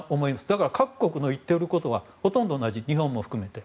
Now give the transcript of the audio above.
だから、各国の言ってることはほとんど同じ、日本も含めて。